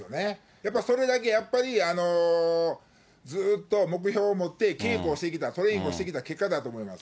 やっぱりそれだけ、やっぱりずっと目標を持って稽古をしてきた、トレーニングをしてきた結果だと思います。